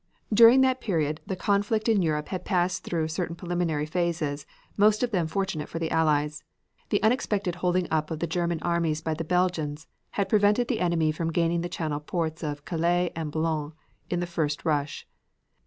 During that period the conflict in Europe had passed through certain preliminary phases most of them fortunate for the Allies. The unexpected holding up of the German armies by the Belgians had prevented the enemy from gaining the channel ports of Calais and Boulogne in the first rush.